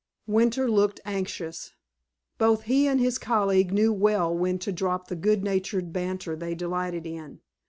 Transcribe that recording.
Winter looked anxious. Both he and his colleague knew well when to drop the good natured banter they delighted in.